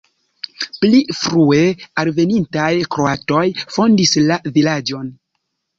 Pli frue alvenintaj kroatoj fondis la vilaĝon.